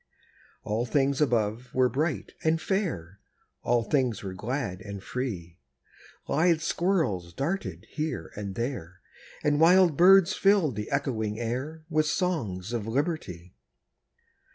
All things above were bright and fair, All things were glad and free; Lithe squirrels darted here and there, And wild birds filled the echoing air With songs of Liberty!